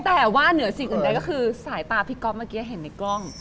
แต่ว่าสิ่งอื่นยังคือสายตาพี่ก๊อบเห็นในกล้อง